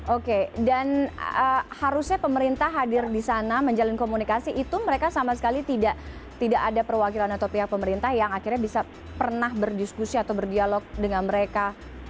oke dan harusnya pemerintah hadir di sana menjalin komunikasi itu mereka sama sekali tidak ada perwakilan atau pihak pemerintah yang akhirnya bisa pernah berdiskusi atau berdialog dengan mereka